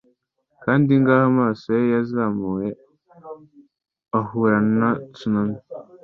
Kandi ngaho amaso ye yazamuye ahura na tsunami